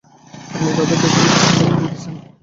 আপনি তাদের দেখা দিতে চান?